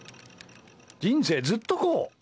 人生、ずっとこう！